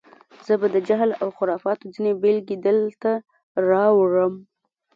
زه به د جهل و خرافاتو ځینې بېلګې دلته راوړم.